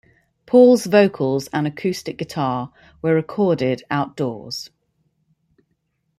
Paul's vocals and acoustic guitar were recorded outdoors.